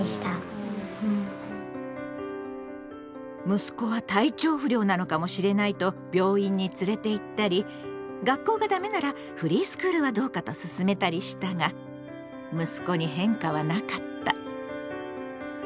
息子は体調不良なのかもしれないと病院に連れて行ったり学校がダメならフリースクールはどうかとすすめたりしたが息子に変化はなかった。